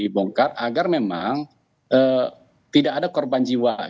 dibongkar agar memang tidak ada korban jiwa